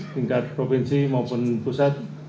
tingkat provinsi maupun pusat